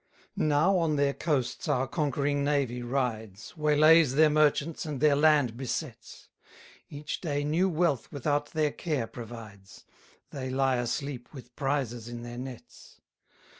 202 Now on their coasts our conquering navy rides, Waylays their merchants, and their land besets: Each day new wealth without their care provides; They lie asleep with prizes in their nets.